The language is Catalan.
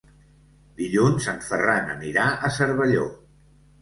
Dilluns en Ferran anirà a Cervelló.